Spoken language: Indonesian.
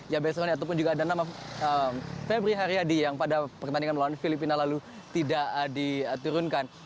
yabes roni ataupun juga ada nama febri haryadi yang pada pertandingan melawan filipina lalu tidak diturunkan